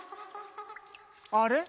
あれ？